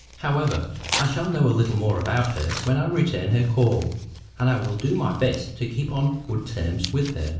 However, I shall know a little more about her when I return her call, and I will do my best to keep on good terms with her."